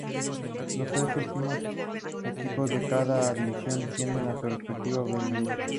Algunos de ellos están relacionados a fiestas religiosas.